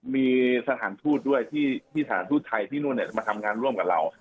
มีสถานทูตด้วยที่สถานทูตไทยที่นู่นมาทำงานร่วมกับเรา